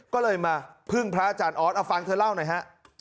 ก็เลยมาพึ่งพระอาจารย์ออสเอาฟังเธอเล่าหน่อยฮะ